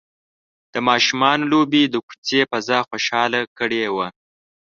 د ماشومانو لوبې د کوڅې فضا خوشحاله کړې وه.